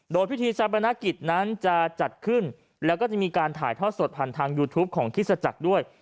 โดยพิธีชาปนกิจนั้นจะจัดขึ้นแล้วก็จะมีการถ่ายทอดสดผ่านทางยูทูปของคริสตจักรด้วย